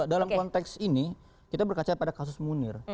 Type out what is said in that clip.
dalam konteks ini kita berkaca pada kasus munir